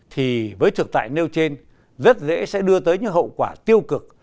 thì với thực tại nêu trên rất dễ sẽ đưa tới những hậu quả tiêu cực